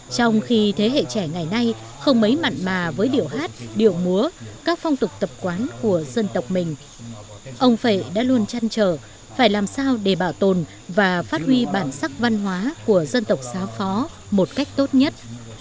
trong khi thế hệ trẻ ngày nay không mấy mặn mà với điệu hát điệu múa các phong tục tập quán của dân tộc mình ông vệ đã luôn chăn trở phải làm sao để bảo tồn và phát huy bản sắc văn hóa của dân tộc xáo phó một cách tốt nhất